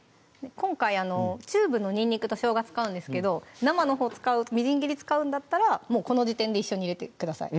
今回あのチューブのにんにくとしょうが使うんですけど生のほう使うみじん切り使うんだったらもうこの時点で一緒に入れてください